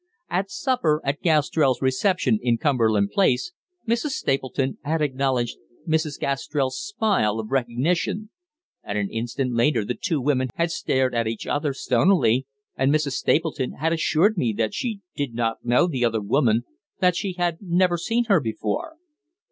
At supper at Gastrell's reception in Cumberland Place Mrs. Stapleton had acknowledged "Mrs. Gastrell's" smile of recognition, and an instant later the two women had stared at each other stonily, and Mrs. Stapleton had assured me that she did not know the other woman, that she had "never seen her before."